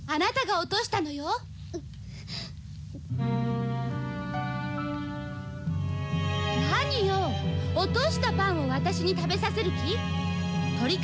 落としたパンを私に食べさせる気？